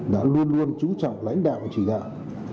đã luôn luôn trú trọng lãnh đạo chỉ đạo